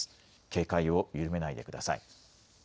警戒を緩めないでください。